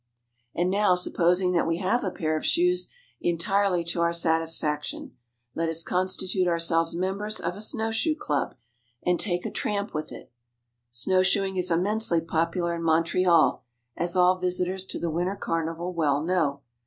And now supposing that we have a pair of shoes entirely to our satisfaction, let us constitute ourselves members of a snow shoe club, and take a tramp with it. Snow shoeing is immensely popular in Montreal, as all visitors to the winter carnival well know.